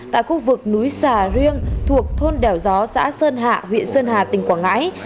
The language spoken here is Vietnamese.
tại khu vực núi xà riêng thuộc thôn đèo gió xã sơn hạ huyện sơn hà tỉnh quảng ngãi